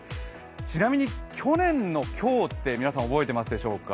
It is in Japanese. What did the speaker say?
ちなみに去年の今日って皆さん覚えていますでしょうか？